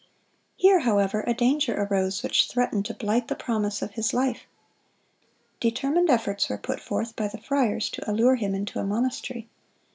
Here, however, a danger arose which threatened to blight the promise of his life. Determined efforts were put forth by the friars to allure him into a monastery.